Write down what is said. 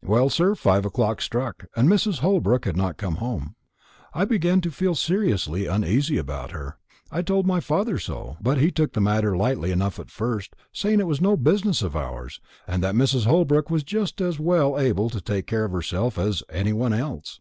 Well, sir, five o'clock struck, and Mrs. Holbrook had not come home. I began to feel seriously uneasy about her. I told my father so; but he took the matter lightly enough at first, saying it was no business of ours, and that Mrs. Holbrook was just as well able to take care of herself as any one else.